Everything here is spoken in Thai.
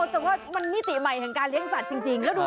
แต่ว่ามันมิติใหม่ของการเลี้ยงสัตว์จริง